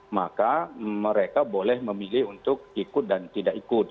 maka mereka boleh memilih untuk ikut dan tidak ikut